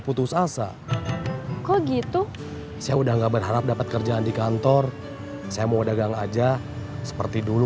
putus asa kalau gitu saya udah nggak berharap dapat kerjaan di kantor saya mau dagang aja seperti dulu